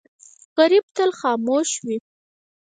غریب تل خاموش وي